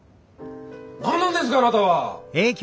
何なんですかあなたは！